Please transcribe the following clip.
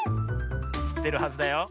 しってるはずだよ。